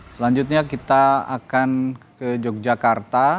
selanjutnya kita akan ke yogyakarta